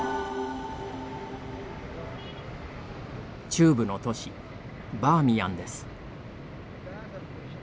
中部の都市バーミヤンです。